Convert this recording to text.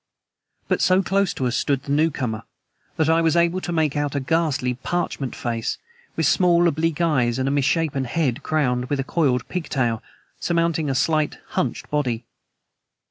But so close to us stood the newcomer that I was able to make out a ghastly parchment face, with small, oblique eyes, and a misshapen head crowned with a coiled pigtail, surmounting a slight, hunched body.